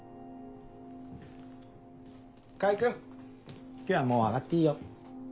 川合君今日はもう上がっていいよ。